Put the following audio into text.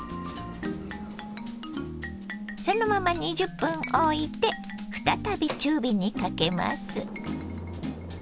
そのまま２０分おいて再び中火にかけます。